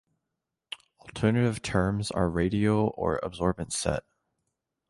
Alternative terms are radial or absorbent set.